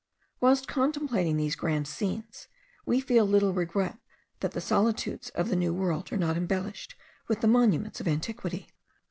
Whilst contemplating these grand scenes, we feel little regret that the solitudes of the New World are not embellished with the monuments of antiquity.